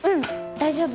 大丈夫。